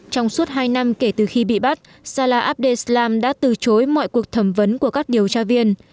trong suốt hai năm kể từ khi bị bắt sala abdeslam đã từ chối mọi cuộc thẩm vấn của các điều tra viên